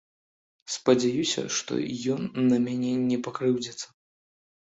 Спадзяюся, што ён на мяне не пакрыўдзіцца.